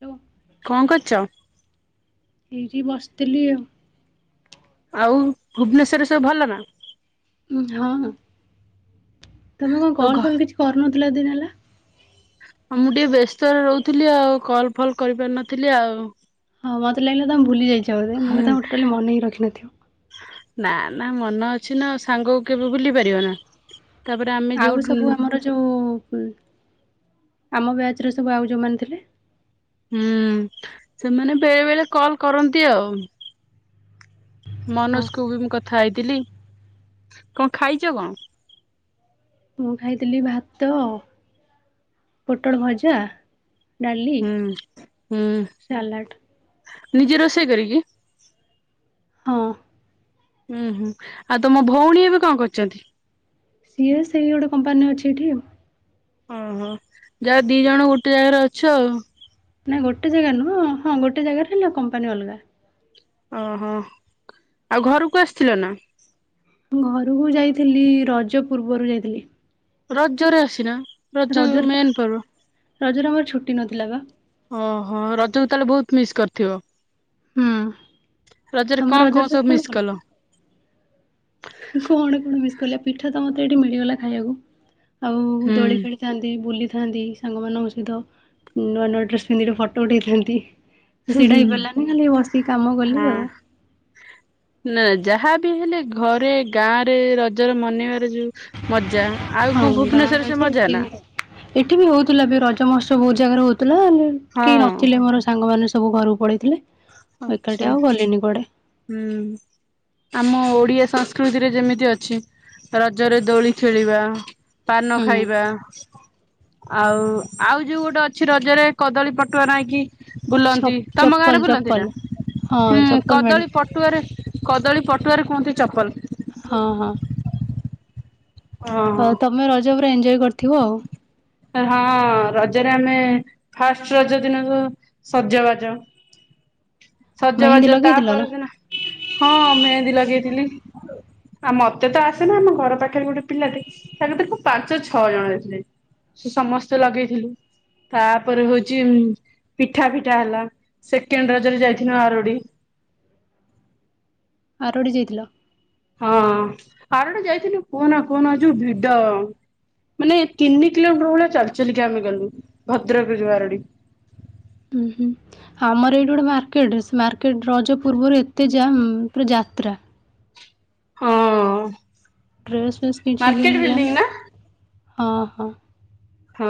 Hello. କଣ କରୁଛ? ଏଇଠି ବସିଥିଲି ଆଉ। ଆଉ ଭୁବନେଶ୍ଵରରେ ସବୁ ଭଲ ନା? ହଁ। ତମେ କଣ ତୋ କଲ୍ ଫଲ୍ କିଛି କରିନଥିଲ ଏତେ ଦିନ ହେଲା? ଆଉ ମୁଁ ଟିକେ ବ୍ୟସ୍ତରେ ରହୁଥିଲି ଆଉ କଲ ଫଲ କରିପାରିନଥିଲି ଆଉ ହଁ ମତେ ଲାଗିଲା ତମେ ଭୁଲି ଯାଇଛ। ଚ ମୋ କଥାକୁ ଟୋଟାଲି ମନେ ହିଁ ରଖିିନଥିବ। ନା ନା ମନ ଅଛି ନା ସାଙ୍ଗକୁ କେବେ ଭୁଲି ପାରିବ ନା। ତାପରେ ଆମେ ଆଉ ଯୋଉଠୁ ସବୁ ଆମର ଯୋଉ ଆମ ବ୍ୟାଚ୍ ର ସବୁ ଆଉ ଯୋଉମାନେ ଥିଲେ? ହୁଁ ସେମାନେ ବେଳେ ବେଳେ କଲ କରନ୍ତି ଆଉ ହଁ ମନୋଜ କୁ ବି ମୁ କରି ଥା ହେଇଥିଲି କଣ ଖାଇଛ କଣ? ମୁଁ ଖାଇଥିଲି ଭାତ ପୋଟଳ ଭଜା। ଡାଲି ହୁଁ ହୁଁ। ସାଲାଡ଼ ନିଜେ ରୋଷେଇ କରିକି? ହଁ। ଉୁଁ ହୁଁ ଆଉ ତମ ଭଉଣୀ ଏବେ କଣ କରୁଛନ୍ତି? ସିଏ ସେଇ ଗୋଟେ କମ୍ପାନୀ ଅଛି ଏଠି ଆଉ। ଓହୋ ଯାହା ଦି ଜଣ ଗୋଟେ ଜାଗାରେ ଅଛ ଆଉ। ନାଇଁ ଗୋଟେ ଜାଗା ନୁହଁ ହଁ ଗୋଟେ ଜାଗାରେ ହେ କମ୍ପାନୀ ଅଲଗା। ଓହୋ ଆଉ ଘରକୁ ଆସିଥିଲ ନା? ଘରକୁ ଯାଇଥିଲି ରଜ ପୂର୍ବରୁ ଯାଇଥିଲି। ରଜରେ ଆସିନା। ରଜ ରଜରେ ପା ମେନ୍ ପର୍ବ। ରଜରେ ଆମର ଛୁଟି ନଥିଲା ବା। ଓହୋ ରଜକୁ ତାହେଲେ ବହୁତ ମିସ୍ କରିଥିବ। ହୁଁ ରଜରେ କଣ କଣ ସବୁ ମିସ୍ କଲ? କଣ କଣ ମିସ୍ କଲେ ପିଠା ତ ମତେ ଏଇଠି ମିଳିଗଲା ଖାଇବାକୁ। ଆଉ ହୁଁ ଦୋଳି ଖେଳିଥାନ୍ତି, ବୁଲି ଥାନ୍ତି ସାଙ୍ଗମାନଙ୍କ ସହିତ ନୂଆ ନୂଆ ଡ୍ରେସ ପିନ୍ଧିକରେ ଫଟୋ ଉଠାଇଥାନ୍ତି। ହୁଁ ସେଇଟା ହୁଁ ହେଇପାରିଲାନି ଖାଲି ବସିକି କାମ କଲି ହଁ ଆଉ। ନା ଯାହାବି ହେଲେ ଘରେ ଗାଁ ରେ ରଜର ମନେଇବାର ଯୋଉ ମଜା। ଆଉ ହଁ କଣ ଗାଁ ଭୁବନେଶ୍ଵରରେ ସେ ରଜ ମଜା ଏଠି ନା ଏଠି ବି ହଉଥିଲା ବି ରଜ ମହୋତ୍ସବ ବହୁତ ଜାଗାରେ ହଉ କେହି ହଁ ନଥିଲେ ମୋର ସାଙ୍ଗ ମାନେ ସବୁ ଘରକୁ ପଳେଇ ମୁଁ ଆଚ୍ଛା ଏକାେ ଆଉ ଗଲିନି କୁଆଡେ। ହୁଁ ଆମ ଓଡିଆ ସଂସ୍କୃତିରେ ଯେମିତି ଅଛି ରଜରେ ଦୋଳି ଖେଳିବା। ପାନ ହୁଁ ଖାଇବା। ଆଉ ଆଉ ଯୋଉ ଗୋଟେ ଅଛି ରଜରେ କଦଳୀ ପଟୁଆ ନଇ କି ବୁଲନ୍ତି ଚପ୍ ତମ ଚପଲ ଗାଁରେ ବୁଲନ୍ତି ଚପଲ। ନାଁ ହଁ ହୁଁ ଚପଲ ମାଡି କଦଳୀ କଦଳୀ ପଟୁଆରେ କୁହନ୍ତି ଚପଲ। ହଁ ହଁ। ଓହୋ। ଆଉ ତମେ ରଜ ଜ ପୁରା ଏଞ୍ଜୟ କରିଥିବ ଆଉ। ହଁ ରଜରେ ଆମେ ଫାଷ୍ଟ ରଜ ଦିନକୁ ସଜବାଜ। ମେହେନ୍ଦୀ ସଜବାଜ ତା ଲଗେଇଥିଲ ନା ପରଦିନ, ହଁ ମେହେନ୍ଦି ଲଗେଇ ଆ ମତେ ତ ଆସେନା ଆମ ଘର ପାଖରେ ଗୋଟେ ପିଲାଟେ ତା କତିକୁ ପାଞ୍ଚ ଛଅ ଜଣ ଯାଇଥିଲେ। ସୋ ସମସ୍ତେ ଲଗେଇଥିଲୁ। ତାପରେ ହୋଉଚି ପିଠା ପିଠା ହେଲା। ସେକେଣ୍ଡ ରଜରେ ଯାଇଥିଲୁ ଆରଡ଼ି। ଆରଡ଼ି ଯାଇଥିଲ? ହଁ ଆରଡି ଯାଇଥିଲୁ କୁହନା କୁହନା ଯୋଉ ଭିଡ ମାନେ ତିନି କିଲୋମିଟର ଭଳିଆ ଚାଲି ଚାଲିକା ଆମେ ଗଲୁ ଭଦ୍ରକରେ ଯୋଉ ଆରଡି। ଉଁ ହୁଁ ଆମର ଏଇଠି ଗୋଟେ ମାର୍କେଟ ସେ ମାର୍କେଟ ରଜ ପୂର୍ବରୁ ଏତେ ଜାମ ପୁରା ଯାତ୍ରା। ହଁ। ଡ୍ରେସ୍ ଫେସ୍ କିଛି କିଣିଲନି। ହଁ ହଁ। ହଁ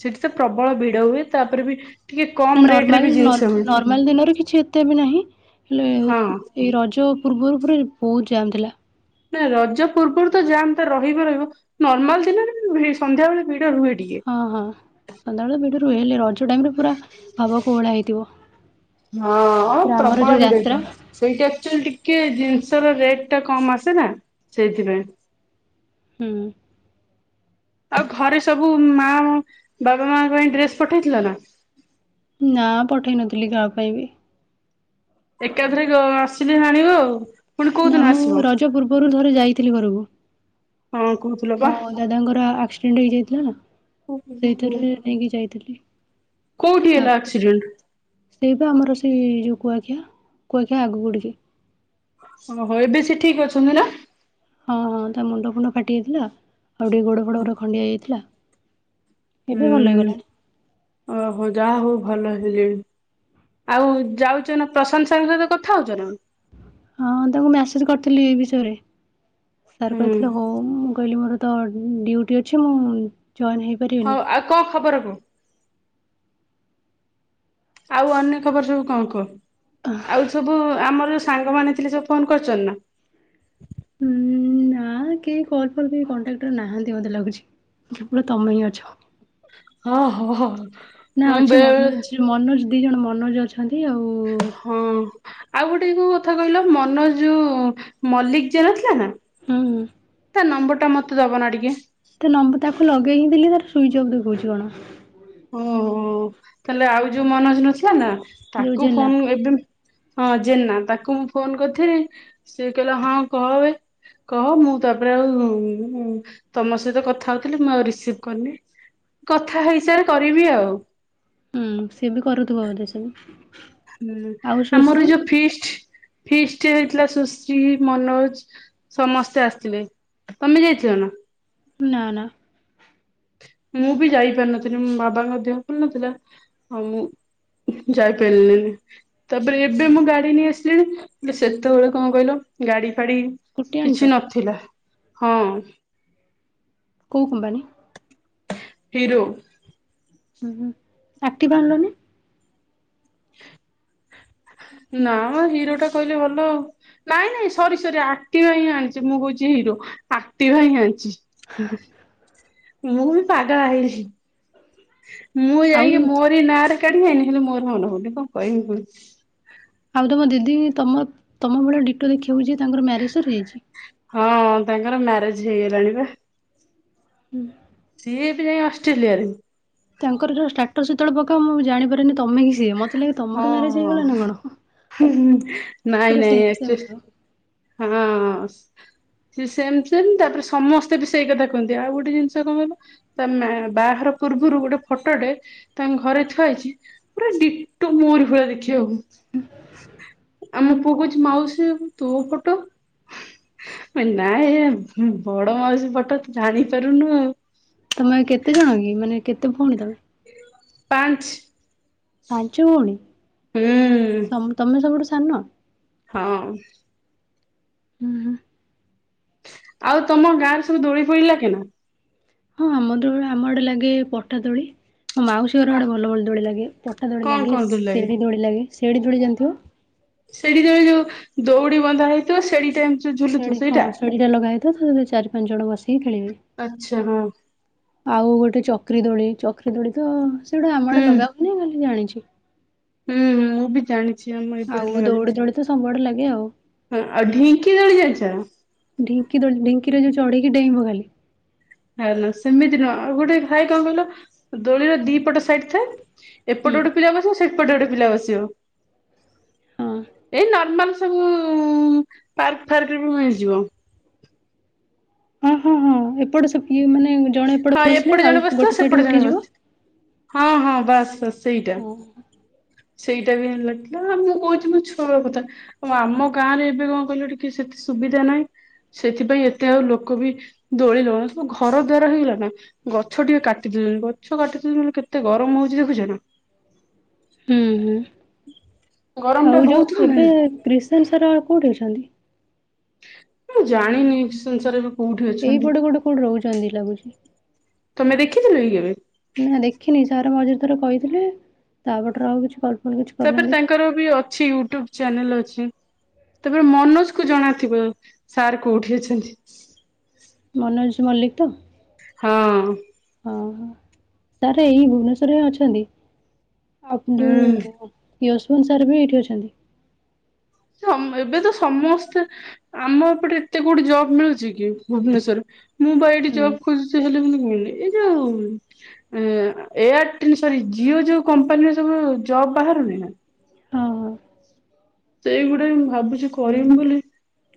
ସେଠି ତ ପ୍ରବଳ ଭିଡ଼ ହୁଏ, ତାପରେ ବି ଟିକେ କମ ନା ରେଟ ରେ ନର୍ମାଲ ବି ଜିନିଷ ନର୍ ମିଳେ। ନର୍ମାଲ ଦିନରେ କିଛି ଏତେ ବି ନାହିଁ, ହେଲେ ହଁ ଏଇ ରଜ ପୂର୍ବରୁ ପୁରା ପୋଜ୍ ଜାମ୍ ଥିଲା। ନାଁ ରଜ ପୂର୍ବରୁ ତ ଜାମତା ରହିବ ରହିବ ନର୍ମାଲ ଦିନରେ ବି ସନ୍ଧ୍ୟାବେଳେ ଭି ହଁ ହଁ ସନ୍ଧ୍ୟା ବେଳେ ଭିଡ଼ ମିଳିଲେ ରଜ ଟାଇମରେ ପୁରା ଭାବ କୋହଳା ହେଇଥିବ ହଁ ଅ ପୁରା ଆମର ପ୍ରବଳ ଯୋଉ ଭିଡ଼ ଯାତ୍ରା ତ ସେଇଠି ଆକ୍ଚୁଆଲି ଟିକେ ଜିନଷ ତାର ରେଟଟା କମ ଆସେ ନାଁ ସେଇଥିପାଇଁ। ହୁଁ। ଆଉ ଘରେ ସବୁ ମା ବାବା ମାଙ୍କ ପାଇଁ ଡ୍ରେସ ପଠେଇଥିଲା ନାଁ? ନାଁ ପଠେଇ ନଥିଲି କାହା ପାଇଁ ବି। ଏକାଥରେ ଗ ଆସିଲେ ଆଣିବ ଆଉ। ପୁଣି ନାଁ କୋଉଦିନ ମୁଁ ଆସିବ? ରଜ ପୂର୍ବରୁ ଥରେ ଯାଇଥିଲି ଘରୁକୁ ହଁ କହୁଥିଲ ପା ମୋ ଦାଦାଙ୍କର ଆକ୍ସିଡେଣ୍ଟ ହେଇଯାଇଥିଲା ନାଁ ସେଇଥିରେ ନେଇକି ଯାଇଥିଲି। କୋଉଠି ତା ହେଲା ଆକ୍ସିଡେଣ୍ଟ? ସେଇ ପା ଆମର ସେଇ ଯୋଉ କୁୁଆଖିଆ। କୁୁଆଖିଆ ଆଗୁକୁ ଟିକେ ଓହୋ ଏବେ ସିଏ ଠିକ ଅଛନ୍ତି ନାଁ? ହଁ ହଁ ତା ମୁଣ୍ଡ ଫୁଣ୍ଡ ଫାଟି ଯାଇଥିଲା‌। ଆଉ ଟିକେ ଗୋଡ଼ ଫୋଡ଼ଉରା ଖଣ୍ଡିଆ ହେଇଯାଇଥିଲା। ଏବେ ଭଲ ହେଇଗଲାଣି ଉଁ ଓହ ଯା ହଉ। ଭଲ ହେଲେ ଆଉ ଯାଉଚନା ପ୍ରଶାନ୍ତ ସାଙ୍ଗ ସହିତ କଥା ହଉଛ ନା? ହଁ ତାଙ୍କୁ ମେସେଜ କରିଥିଲି ଏଇ ବିଷୟରେ। ସାର୍ ହୁଁ କଥିଲଥିଲା ହଉ ମୁଁ କହିଲି ମୋର ତ ଡ୍ୟୁଟି ଅଛି ମୁଁ ଜଏନ୍ ହଁ ହେଇପାରିବିନି। ଆଉ କଣ ଖବର କୁ ଆଉ ଅନ୍ୟ ଖବର ସବୁ କଣ କୁହ? ଆଉ ସବୁ ଆମର ସାଙ୍ଗମାନେ ଥିଲେ ସେ ଫୋନ କରୁ ନା ହଁ ନା କେହି କଲଲ କେ କଣ୍ଟ୍ରାଟ ନାହାନ୍ତି ମୋତେ ଲାଗୁଛି ତମେ ହିଁ ଅଛ। ହଁ ହଁ ହଁ। ନା ହଁ ଅଛି ବେଳେ ମନୋଜ ମନୋଜ ଦି ଜଣ ମନୋଜ ଅଛନ୍ତି ଆଉ। ହଁ ଆଉ ଗୋଟେ କୋଉ କଥା କହିଲ ମନୋଜ ଯୋଉ ମଲ୍ଲିକ ଯେ ନଥିଲା ନା? ହୁଁ। ତା ନମ୍ବର ଟା ମତେବ ନା ଟିକେ ତାକୁ ଲଗେଇ ଥିଲି ତାର ସୁଇଚ ଅଫ୍ ଦେଖଉଛି କଣ? ଓହୋ ତାହେଲେ ଆଉ ଯୋଉ ମନୋଜ ନଥିଲା ନା। ଯୋଉ ତାକୁ ଜେନା। ଫୋନ୍ ଏଦିନ ହଁ ଜେନା ତାକୁ ମୁଁ ଫୋନ କରିଥିଲି ସେି କହିଲା ହଁ କହ କହ ମୁଁ ତାପରେ ଆଉ ତମ ସହିତ କଥା ହଉଥିଲି ମୁଁ ଆଉ ରିସିଭ କରିନି କଥା ହେଇସାରେ କରିବି ଆଉ। ହୁଁ ସିଏ ବି କରୁଥିବ ବୋଧେ ସବୁ। ହୁଁ ଆଉ ଆମର ସୁଶ୍ରୀ ଯୋଉ ଫିଷ୍ଟ ଫିଷ୍ଟ ହେଇଥିଲା ସୁଶ୍ରୀ ମନୋଜ ସମସ୍ତେ ଆସିଥିଲେ ତମେ ଯାଇଥିଲ ନା? ନା ନା। ମୁଁ ବି ଯାଇପାରିନଥିଲି ମୋ ବାବାଙ୍କ ଦେ ଭୁଲ ନଥିଲା ଆଉ ମୁଁ ଯାଇପାରିଲିନିି ତାପରେ ଏବେ ମୁଁ ଗାଡି ନେଇ ଆସିଲିଣି ସେତେବେଳେ କଣ କହିଲ ଗାଡି ଫାଡ଼ି ସ୍କୁଟି ଆଣିଛ କିଛି ନଥିଲା। ହଁ। କଉ କମ୍ପାନୀ? ହିରୋ। ହୁଁ ହୁଁ ଆକ୍ଟିଭା ଆନିଲନି? ନା ହିରୋ ଟା କହିଲେ ଭଲ ନାଇଁ ନାଇଁ ସରି ସରି ଆକ୍ଟିଭା ହିଁ ଆଣିଛି ମୁଁ କହୁଛି ହିରୋ ଆକ୍ଟିଭା ହିଁ ଆଣିଛି। [unintelligible] ମୁଁ ବି ପାଗଳା ହେଇଯିବି। ମୁଁ ଆଉ ଯାଇକି ମୋରି ନାଁ ରେ କାଢି ଆଣିଲି ହେଲେ ମୋର ହଉନ କଣ କହିବି କୁହନି। ଆଉ ତମ ଦିଦି ତ ତମ ଭଳିଆ ଡିଟୋ ଦେଖିବାକୁଉଛି ତାଙ୍କର ମ୍ୟାରେଜ ସରିଯାଇଛି? ହଁ ତାଙ୍କର ମ୍ୟାରେଜ ହେଇଗଲାଣି ବା। ହୁଁ। ସିଏ ଏବେ ଯାଇଁ ଅଷ୍ଟ୍ରେଲିଆରେ। ତାଙ୍କର ଯୋଉ ଷ୍ଟାଟସ ସେତେବେଳେ ମୁଁ ଜାଣିପାରାରେନି ତମେ କି ସିଏ ମତେ ଲାଗେ ତମର ହଁ ମ୍ୟାରେଜ ହେଇଗଲା ନା କଣ। ହଁ ପୁରା ନାଇଁ ସେମ୍ ନାଇଁ ସେମ୍ ଅକ୍ଚୋଲୀ ଲାଗେ। ହଁ ହଁ ସେମ ସେମ ତାପରେ ସମସ୍ତେ ବି ସେଇ କଥା କୁହନ୍ତି ଆଉ ଗୋଟେ ଜିନିଷ କଣ କହିଲ ତା ବାହାଘର ପୂର୍ବୁରୁ ଗୋଟେ ଫଟୋଟେ ତାଙ୍କ ଘରେ ଥୁଆଯାଇଚି ପୁରା ଡିଟୋ ମୋରି ଭଳିଆ ଦେଖିଆକୁ। ଆମ ପୁଅ କୋଉଚି ମାଉସୀ ତୋ ଫଟୋ ଟ ମୁଁ କହିଲି ନାଇଁ ୟେ ବଡ଼ ମାଉସୀ ଫଟ ତୁ ଜାଣିପାରୁନୁ ଆଉ। ତମେ କେତେ ଜଣ କି ମାନେ କେତେ ଭଉଣୀତମେ? ପାଞ୍ଚ। ପାଞ୍ଚ ଭଉଣୀ? ହୁଁ ତମେ ସବୁଠୁ ସା ସାନ? ହଁ। ହୁଁ। ଆଉ ତମ ଗାଁ ରେ ସବୁ ଦୋଳି ଫୋଳି ଲାଗେନା? ହଁ ଆମ ର ଆମ ଆଡେ ଲାଗେ ପଟା ଦୋଳି। ହଁ ମୋ ମାଉସୀ ଘର ଆ ଆଡେ ଭଲ ଭଲ ଦୋଳି ଲାଗେ ପଟ୍ଟା ଦୋଳି କଣ ଲାଗେ କଣ ଦୋଳି ଲାଗେ? ସିଡି ଦୋଳି ଲାଗେ। ସେଡି ଦୋଳି ଜାଣିଥିବ? ସେଡି ଦୋଳି ଯୋଉ ଦଉଡ଼ି ବନ୍ଧାହେଇଥିବ ସେଡ଼ି ସେଡୀ ହଁ ସେଡ଼ି ଟା ଲଗାହେଇଥିବ ତା ଦେ ଚାରି ପାଞ୍ଚଜଣ ବାସ ଖେଳିବେ ଆଚ୍ଛା ହଁ ଆଉ ଗୋଟେ ଚ ଚକ୍ରି ଦୋଳି ଚକ୍ରି ଦୋଳି ତ ସେଗୁଡା ଆମ ଆଡେ ଲଗାହୁଏ ମୁଁ ଜାଣିଚି। ହ। ହୁଁ ହୁଁ ମୁଁ ବି ଜାଣିଚି। ଆଉ ଦୌଡି ଦୌଡି ତ ସବୁଆଡେ ଲା। ଆଉ। ଆଉ ଢିଙ୍କି ଦୋଳି ଜାଣିଚ। ଚଢ଼ିକି ଡେଇଁବ ଖାଲି। ସେମିତି ନୁହଁ ଗୋଟେ ଥାଏ କଣ କହିଲ ଦୋଳିର ଦି ପଟ ସାଇଟ ଥାଏ। ଏପଟ ହୁଁ ଗୋଟେ ପିଲା ବସିବ। ଏପଟେ ଗୋଟେ ପିଲା ବସିବ। ହଁ। ଏଇ ନର୍ମାଲ। ସବୁ ପାର୍କ ଫାର୍କରେ ବି ମିଳିଯିବ। ହଁ ହଁ ହଁ ଏପଟ ସିଏ। ଜଣେ ଏପଟେ ହଁ ବସିଲେ ଆଉ ଜଣେ ବସିଥିବ ଗୋଟେ ସାଇଡ ସେପଟେ ଜଣେ ଉଠିଯିବ। ବସିଥିବ ହଁ ହଁ ବାସ୍ ବାସ ହଁ। ସେଇଟା ବି ଲାଗିଥିଲା ଆଉ ମୁଁ କହୁଛି ମୋ ଛୁଆର କଥା ଆମ ଗାଁରେ ଏବେ କଣ କହିଲ ଟିକେ ସେତେ ସୁବିଧା ନାହିଁ ସେଥିପାଇଁ ଏତେ ଆଉ ଲୋକ ବି ଦୋଳି ଲଗଉନା ଘରେ ହେଇଗଲା ନା ଗଛ ଟିକେ କାଟିଦଉଛନ୍ତି ଗଛ କାଟିଦଉଛନ୍ତି କେତେ ଗରମ ହଉଛି ଦେଖୁଛ ନା। ହୁଁ ହୁଁ। ଗରମ ଟା ଆଉ ବହୁତ ଯୋଉ ହଉନି ଏବେ ନା। କ୍ରିଷନ ସାର କୋଉଠିଅଛନ୍ତି? ମୁଁ ଜାଣିନି କିସନ ସାର ଏଇପଟେ ଗୋଟେ କୋଉଠି ରହୁଛନ୍ତି ଲାଗୁଛି। ତମେ ଦେଖିଥିଲ କି କେବେ? ତାର ମଝିରେ ଥରେ କହିଥିଲେ ତାପପରେ ଆଉ କିଛି ଫଲ୍ କିଛି ତାପରେ କରିନାହାନ୍ତି ତାଙ୍କର ବି ଅଛି ୟୁଟ୍ୟୁବ ଚ୍ୟାନେଲ ଅଛି। ତାପରେ ମନୋଜ କୁ ଜଣାଥିବ ସାର୍ କୋଉଠି ଅଛନ୍ତି। ମନୋଜ ମଲ୍ଲିକ ତ? ହଁ। ଓହୋ ସାର୍ ଏଇ ଭୁବନେଶ୍ଵରରେ ଅଛନ୍ତି। ହୁଁ। ଆଉ ୟଶବନ୍ତ ସାର୍ ବି ଏଇଠି ଅଛନ୍ତି। ଏବେ ତ ସମସ୍ତେ ଆମ ଏପଟେ ଏତେ କୋଉଠି ଜବ ମିଳୁଛି କି ଭୁବନେଶ୍ଵରରେ ମୁଁ ବା ଏଠି ହୁଁ ଜବ୍ ଖୋଜୁଛି ହେଲେ ଏ ଯୋଉ ଏୟାରଟେଲ ସରି ଜିଓ ଯୋଉ କମ୍ପାନୀର ସବୁ ଜବ ବାହାରୁନି ହଁ ହଁ। ସେଇଗୁଡା ବି ମୁଁ ଭାବୁଛି କରିମି ବୋଲି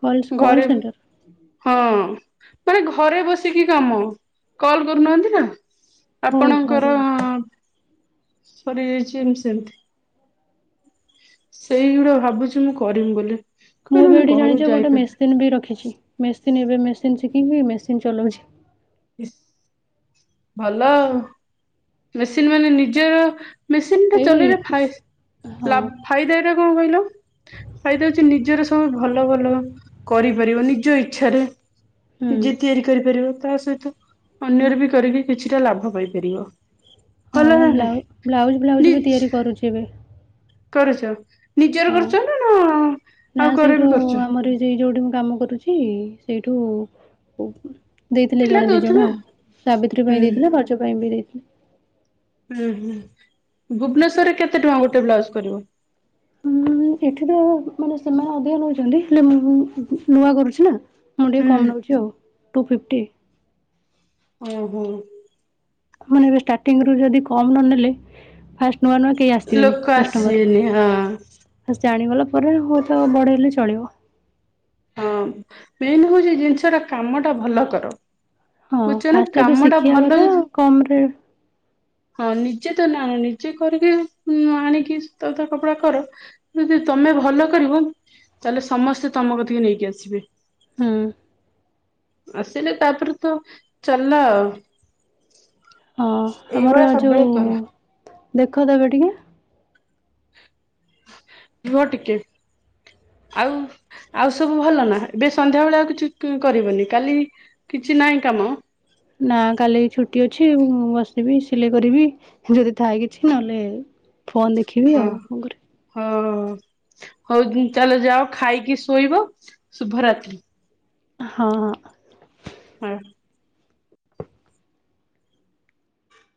କଲ କଲ ଘରେ ସେଣ୍ଟର ହଁ ମାନେ ଘରେ ବସିକି କାମ। କଲ୍ କରୁନାହାନ୍ତି ନା। ହଉ ଆପଣଙ୍କର ଘରେ ବସି ଅଁ, ସରିଯାଇଛି ଏମତି ସେମତି ସେଇଗୁଡା ଭାବୁଛି ମୁଁ କରିମି ବୋଲି। ମୁଁ କହିଲ ବି ଏଇଠି ଘରକୁ ଜାଣିଚ ଗୋଟେ ଯାଇପାରୁନି ମେସିନ୍ ବି ରଖିଛି। ମେସ୍ ସିନ୍ ଏବେ ମେସିନ୍ ଶିଖିକି ମେସିନ୍ ଚଲଉଛି। ଇସ୍ ଭଲ। ମେସିନ୍ ମାନେ ନିଜର ମେସିନ୍ ଟା ଏଇ ଚଲେଇଲେ ଫାଇ ହଁ ଲାଭ ଫାଇଦା ଟା କଣ କହିଲ ଫାଇଦା ହଉଚି ନିଜର ସବୁ ଭଲ ଭଲ କରିପାରିବ ନିଜ ଇଛାରେ। ହୁଁ। ନିଜେ ତିଆରି କରିପାରିବ। ତା ସହିତ ଅନ୍ୟର ବି କରିକି କିଛିଟା ଲାଭ ପାଇପାରିବ। ଭଲ ହଁ ନା ନାଇଁ? ବ୍ଲାଉ ବ୍ଲାଉଜ୍ ବ୍ଲାଉଜ୍ ବି ତିଆରି କରୁଚି ଏବେ। କରୁଚ? ହଁ ନା କାହାର ସେଇଠୁ ବି କରୁଛ? ଆମର ଏ ଯେ ଯୋଉଠି ମୁଁ କାମ କରୁଚି ସେଇଠୁ ଉ ଦେଇଥିଲେ ପିଲା ଜଣେ ଦି ଦଉଥିବେ ଜଣ, ଆଉ ସାବିତ୍ରୀ ହୁଁ ପାଇଁ ଦେଇଥିଲେ ରଜ ପାଇଁ ବି ଦେଇ ଉଁ ହୁଁ ହୁଁ ଭୁବନେଶ୍ଵରରେ କେତେ ଟଙ୍କା ଗୋଟେ ବ୍ଲାଉଜ କରିବ? ଉଁ, ଏଠି ତ ମାନେ ସେମାନେ ଅଧିକ ନଉଛନ୍ତି, ହେଲେ ମୁଁ, ମୁଁ, ଉଁ, ନୂଆ କରୁଛି ନା। ମୁଁ ଟିକେ କମ ହୁଁ ନଉଚି ଆଉ। Two fifty. ଓ ହୋ! ମାନେ ଏବେ ଷ୍ଟାର୍ଟିଂ ରୁ ଯଦି କମ ନ ନେଲେ ଫାଷ ଲୋକ ଆସିବେନି ହଁ। ଫାଷ୍ଟ ଜାଣିଗଲା ପରେ ହୁଏତ ବଢେଇଲେ ଚଳିବ। ହଁ ମେନ୍ ହଉଚି ଜିନିଷଟା କାମ ଟା ଭଲ କର। ହଁ, ବୁଝଛ ନା ଫାଷ୍ଟ ଏବେ କାମ ଟା ଶିଖିବା ଭଲ କଥା, କମ ରେ ହଁ ନିଜେ ତ ନା ନା ନିଜେ କରିକି ଉଁ, ଆଣିକି ତ ତା କପଡା କର, ଯଦି ତୋମେ ଭଲ କରିବ ତାହେଲେ ସମସ୍ତେ ତୋମ କଥା ସିଏ ନେଇକି ଆସିବେ। ହଁ। ଆସିଲେ ତାପରେ ତ ଚାଲଲା ହଁ ଆମର ଯୋଉ କର ଦେଖ ତ ଏବେ ଟିକେ ରୁହ ଟିକେ, ଆଉ ଆଉ ସବୁ ଭଲ ନା ଏବେ ସନ୍ଧ୍ୟା ବେଳେ ଆଉ କିଛି କି-କରିବନି କାଲି କିଛି ନାଇଁ କାମ? ନା କାଲି ଛୁଟି ଅଛି। ମୁଁ ବସିବି ସିଲେଇ କରିବି। ଯଦି ଥାଏ କିଛି, ନହେଲେ ଫୋନ୍ ଦେଖିବି ଆଉ କଣ କରିବି? ଓ ହଉ ଚାଲ ଯାଅ ଖାଇକି ଶୋଇବ ଶୁଭ ରାତ୍ରୀ। ହଁ। ହଁ।